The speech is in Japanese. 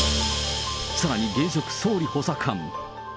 さらに現職総理補佐官。